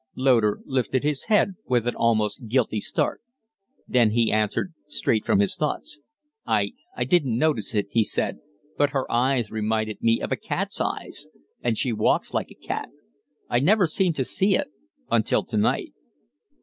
Loder lifted his head with an almost guilty start. Then he answered straight from his thoughts. "I I didn't notice it," he said; "but her eyes reminded me of a cat's eyes and she walks like a cat. I never seemed to see it until to night."